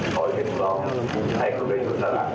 ผมก็ขอให้พี่ครับให้เขาไปจุดสรรค์